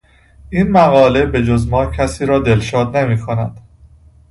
این مقاله به جز ما کسی را دلشاد نمیکند.